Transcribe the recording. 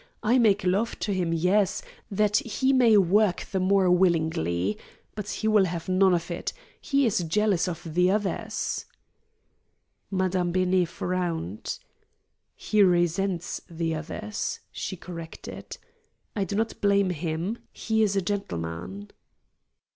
I make love to him yes that he may work the more willingly. But he will have none of it. He is jealous of the others." Madame Benet frowned. "He resents the others," she corrected. "I do not blame him. He is a gentleman!"